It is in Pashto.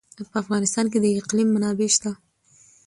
په افغانستان کې د اقلیم منابع شته.